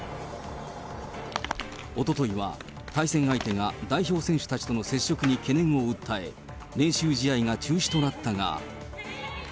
おとといは対戦相手が代表選手たちとの接触に懸念を訴え、練習試合が中止となったが。